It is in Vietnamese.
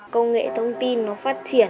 công nghệ thông tin nó phát triển